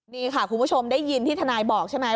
นี่ค่ะคุณผู้ชมได้ยินที่ทนายบอกใช่ไหม